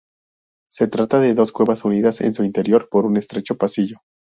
Se trata de dos cuevas unidas en su interior por un estrecho pasillo.